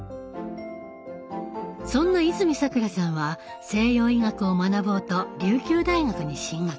そんな泉さくらさんは西洋医学を学ぼうと琉球大学に進学。